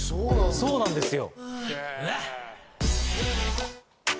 そうなんですよ。